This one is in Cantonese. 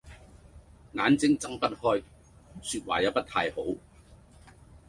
眼睛睜不開，說話也不太好